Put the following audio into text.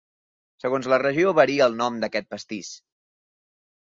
Segons la regió varia el nom d'aquest pastís.